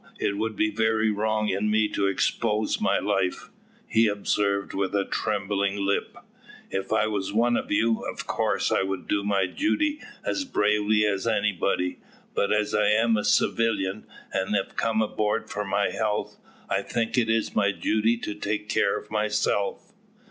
It would be very wrong in me to expose my life," he observed with a trembling lip. "If I was one of you, of course I would do my duty as bravely as anybody; but as I am a civilian, and am come aboard for my health, I think it is my duty to take care of myself."